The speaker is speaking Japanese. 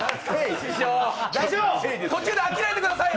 師匠、途中で飽きないでくださいよ。